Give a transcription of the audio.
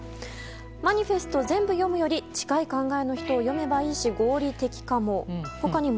マニフェスト全部読むより近い考えの人を読めばいいし合理的かも。